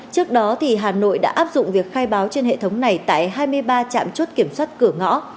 trước đó hà nội đã áp dụng việc khai báo trên hệ thống này tại hai mươi ba trạm chốt kiểm soát cửa ngõ